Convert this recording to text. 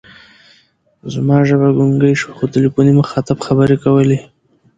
زما ژبه ګونګۍ شوه، خو تلیفوني مخاطب خبرې کولې.